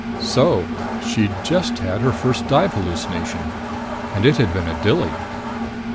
So she'd just had her first dive hallucination and it had been a dilly!